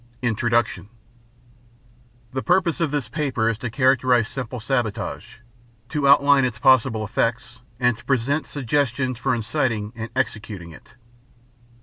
INTRODUCTION The purpose of this paper is to characterize simple sabotage, to outline its possible effects, and to present suggestions for inciting and executing it.